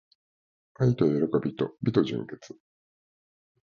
愛と喜びと美と純潔